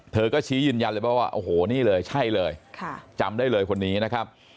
เธอก็ชี้ยืนยันเลยว่าโอ้โหนี่เลยใช่เลยจำได้เลยคนนี้นะครับ